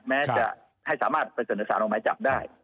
แม้จะให้สามารถไปเสนอสารออกหมายจับได้